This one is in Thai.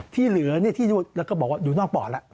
ที่เหลือที่แล้วก็บอกว่าอยู่นอกปอดแล้ว